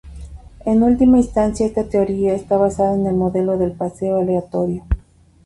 En última instancia esta teoría está basada en el modelo del paseo aleatorio.